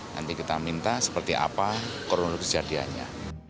nanti kita minta seperti apa koronavirus jadiannya